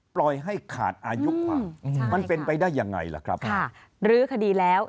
ปล่อยให้ขาดอายุความมันเป็นไปได้ยังไงล่ะครับค่ะรื้อคดีแล้ว